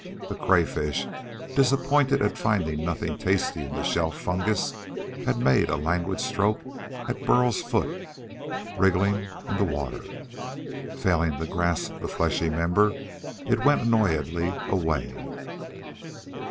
The crayfish, disappointed at finding nothing tasty in the shelf fungus, had made a languid stroke at Burl's foot wriggling in the water. Failing to grasp the fleshy member, it went annoyedly away.